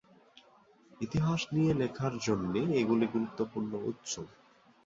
ইতিহাস নিয়ে লেখার জন্য এগুলি গুরুত্বপূর্ণ উৎস।